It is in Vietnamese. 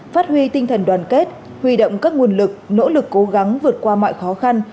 phát huy tinh thần đoàn kết huy động các nguồn lực nỗ lực cố gắng vượt qua mọi khó khăn